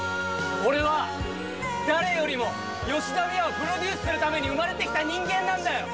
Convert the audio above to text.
俺は、誰よりも、吉田美和をプロデュースするために生まれてきた人間なんだよ！